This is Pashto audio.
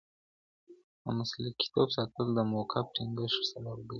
د مسلکیتوب ساتل د موقف ټینګښت سبب ګرځي.